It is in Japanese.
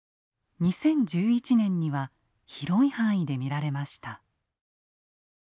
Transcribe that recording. ２０１１年には広い範囲で見られました。